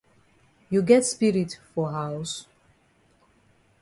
You get spirit for haus?